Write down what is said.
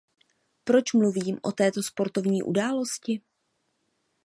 Proč mluvím o této sportovní události?